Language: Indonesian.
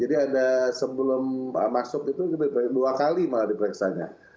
jadi ada sebelum masuk itu dua kali malah diperiksanya